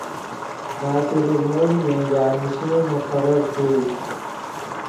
ناصر الملک ین جانشین مقرر ݰوئے